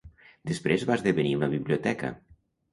Després va esdevenir una biblioteca.